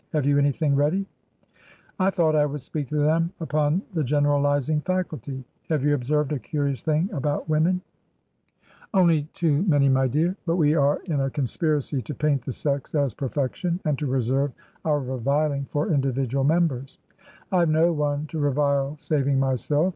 Have you an}rthing ready ?"" I thought I would speak to them upon the general izing faculty. Have you observed a curious thing about women ?" tt it TRANSITION. 289 " Only too many, my dear. But we are in a conspiracy to paint the Sex as perfection, and to reserve our reviling for individual members." " I have no one to revile saving myself.